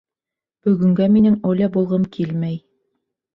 — Бөгөнгә минең Оля булғым килмәй.